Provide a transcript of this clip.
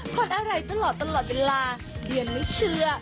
คนอะไรตลอดตลอดเวลาเรียนไม่เชื่อ